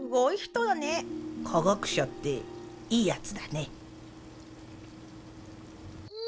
科学者っていいやつだね。